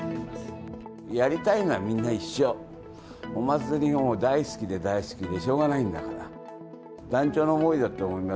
やりたいのはみんな一緒、お祭りがもう大好きで大好きでしょうがないんだから。